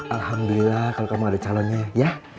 alhamdulillah kalau kamu ada calonnya ya